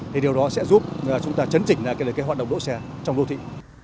thì điều đó sẽ giúp chúng ta chấn chỉnh ra cái hoạt động đỗ xe trong đô thị